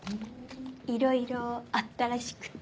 いろいろあったらしくて。